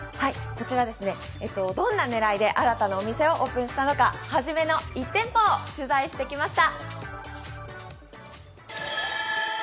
どんな狙いで新たなお店をオープンしたのかはじめの一店舗、取材してきました。